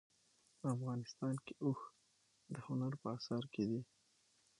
افغانستان کې اوښ د هنر په اثار کې دي.